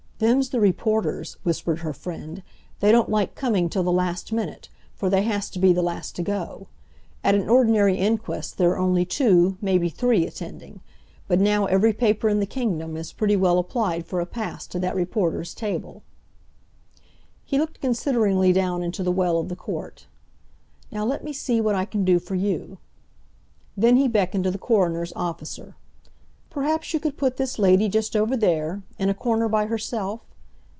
"Them's the reporters," whispered her friend. "They don't like coming till the last minute, for they has to be the last to go. At an ordinary inquest there are only two—maybe three—attending, but now every paper in the kingdom has pretty well applied for a pass to that reporters' table." He looked consideringly down into the well of the court. "Now let me see what I can do for you—" Then he beckoned to the coroner's officer: "Perhaps you could put this lady just over there, in a corner by herself?